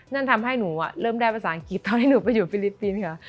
นั่นทำให้หนูเริ่มได้ภาษาอังกฤษตอนที่หนูไปอยู่ฟิลิปปินส์ค่ะ